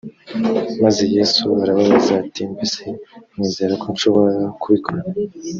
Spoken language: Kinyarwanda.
maze yesu arababaza ati mbese mwizera ko nshobora kubikora